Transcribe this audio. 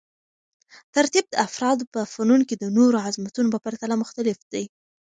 ترتیب د افرادو په فنون کې د نورو عظمتونو په پرتله مختلف دی.